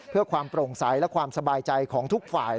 เพื่อความโปร่งใสและความสบายใจของทุกฝ่าย